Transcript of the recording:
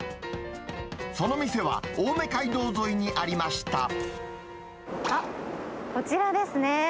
その店は、青梅街道沿いにありまあっ、こちらですね。